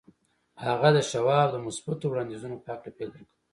هغه د شواب د مثبتو وړاندیزونو په هکله فکر کاوه